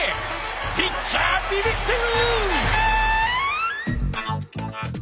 ピッチャーびびってる！